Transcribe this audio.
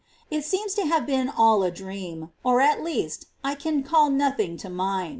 It seems to have been all a dream, or, at least, I can call nothing to mind.